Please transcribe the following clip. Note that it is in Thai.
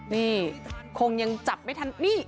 นี่คงยังจับไม่ทันนี่